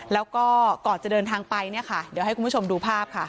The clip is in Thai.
แล้วก็ก่อนจะเดินทางไปเนี่ยค่ะเดี๋ยวให้คุณผู้ชมดูภาพค่ะ